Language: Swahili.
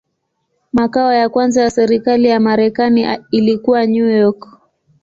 Makao ya kwanza ya serikali ya Marekani ilikuwa New York.